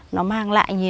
nó mang lại nhiều